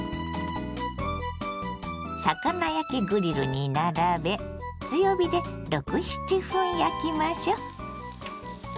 魚焼きグリルに並べ強火で６７分焼きましょ。